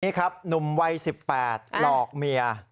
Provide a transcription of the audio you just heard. นี่ครับหนุ่มวัย๑๘หลอกเมีย